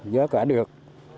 giá cả được